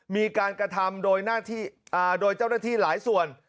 มีการกระทำโดยเจ้าหน้าที่หลายส่วน